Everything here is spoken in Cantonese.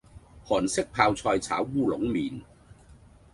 韓式泡菜炒烏龍麵